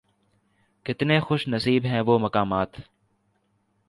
کتنے خوش نصیب ہیں وہ مقامات